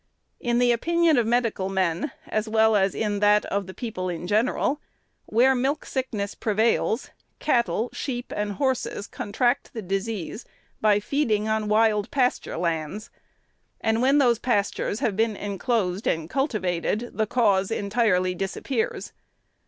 In the opinion of medical men, as well as in that of the people in general, where milk sickness prevails, cattle, sheep, and horses contract the disease by feeding on wild pasture lands; and, when those pastures have been enclosed and cultivated, the cause entirely disappears.